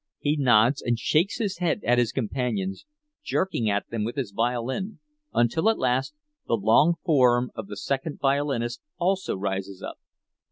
He nods and shakes his head at his companions, jerking at them with his violin, until at last the long form of the second violinist also rises up.